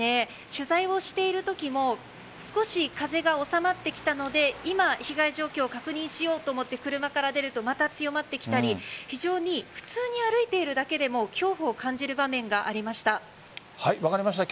取材をしているときも少し風が収まってきたので今、被害状況を確認しようと思って車から出るとまた強まってきたり非常に普通に歩いてるだけでも分かりました。